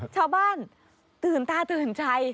ชาวบ้านตื่นตาตื่นใจ